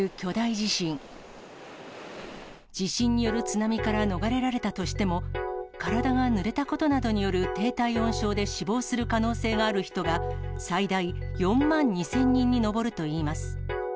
地震による津波から逃れられたとしても、体がぬれたことなどによる低体温症で死亡する可能性がある人が、最大４万２０００人に上るといいます。